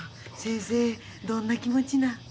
先生どんな気持ちな。